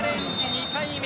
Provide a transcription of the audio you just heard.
２回目。